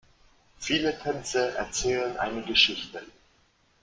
Viele Tänze erzählen eine Geschichte.